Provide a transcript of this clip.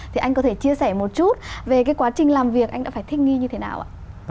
thì anh có thể chia sẻ một chút về cái quá trình làm việc anh đã phải thích nghi như thế nào ạ